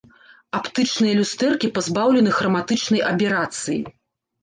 Аптычныя люстэркі пазбаўлены храматычнай аберацыі.